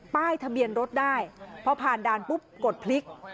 ป้ายทะเบียนรถได้พอผ่านด่านปุ๊บกดพลิก